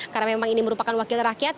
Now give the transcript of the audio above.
karena memang ini merupakan wakil terakhir